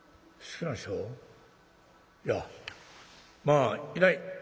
いやまあいない」。